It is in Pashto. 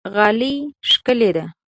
غالۍ ښکلې ده.